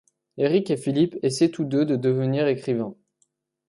Erik et Phillip essaient tous deux de devenir écrivains.